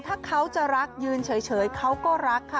ถ้าเขาจะรักยืนเฉยเขาก็รักค่ะ